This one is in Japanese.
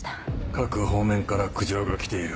各方面から苦情が来ている。